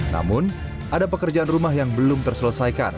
namun ada pekerjaan rumah yang belum terselesaikan